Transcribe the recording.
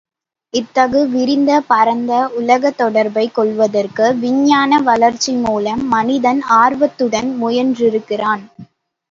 இத்தகு விரிந்த பரந்த உலகத் தொடர்பைக் கொள்வதற்கு விஞ்ஞான வளர்ச்சி மூலம் மனிதன் ஆர்வத்துடன் முயன்றிருக்கிறான்.